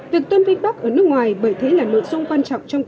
việc tôn vinh bắc ở nước ngoài bởi thế là nội dung quan trọng trong công tác